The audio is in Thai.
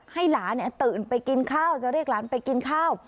ให้หลานตื่นไปกินข้าวจะเรียกหลานไปกินข้าว